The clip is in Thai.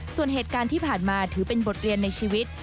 ส่วนเหตุการณ์ที่ผ่านมาถือเป็นบทเรียนในชีวิต